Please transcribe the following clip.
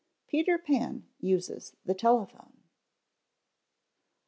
_Peter Pan Uses the Telephone.